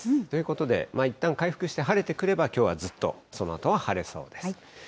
ということで、いったん回復して晴れてくれば、きょうはずっと、そのあとは晴れそうです。